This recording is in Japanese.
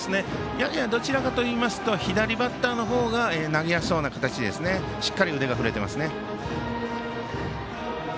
どちらかといいますと左バッターの方が投げやすそうな形にしっかり腕が振れてますね。